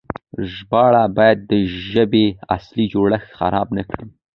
ژباړه بايد د ژبې اصلي جوړښت خراب نه کړي.